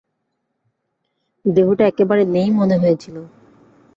দেহটা একেবারে নেই মনে হয়েছিল।